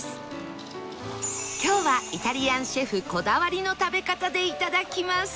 今日はイタリアンシェフこだわりの食べ方でいただきます